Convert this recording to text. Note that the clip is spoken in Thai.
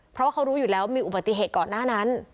เพราะว่าเขารู้อยู่แล้วมีอุบัติเหตุก่อนหน้านั้น